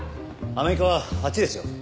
アメリカはあっちですよ。